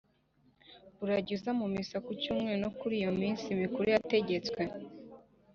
Urajye uza mu Misa ku cyumweru no kuri iyo minsi mikuru yategetswe